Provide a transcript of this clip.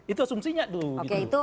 itu asumsinya dulu